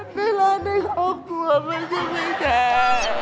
ได้รักได้โคตรกลัวมันยังไม่แท้